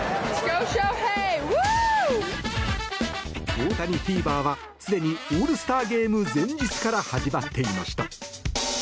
大谷フィーバーは、すでにオールスターゲーム前日から始まっていました。